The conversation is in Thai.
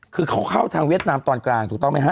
คือเขาเข้าทางเวียดนามตอนกลางถูกต้องไหมฮ